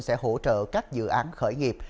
sẽ hỗ trợ các dự án khởi nghiệp